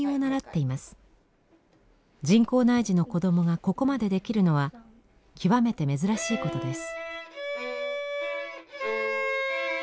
人工内耳の子供がここまでできるのは極めて珍しいことです。